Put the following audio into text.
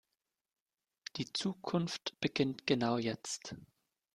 Die Zukunft beginnt genau jetzt.